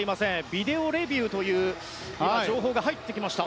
ビデオレビューという情報が入ってきました。